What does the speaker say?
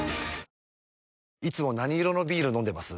いつも何色のビール飲んでます？